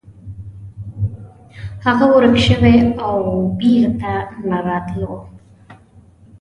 هغه ورک شوی و او بیرته نه راتلو.